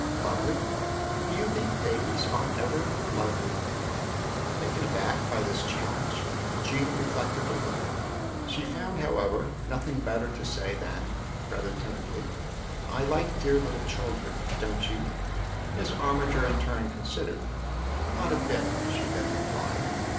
" Lovely! Do you think babies are ever lovely ?" Taken aback by this challenge, Jean reflected a little ; she found, however, nothing better to say than, rather timidly :" I like dear little children, don't you ?" Miss Armiger in turn considered. "Not a bit !" she then replied.